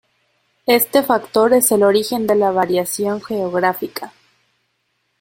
Este factor es el origen de la variación geográfica.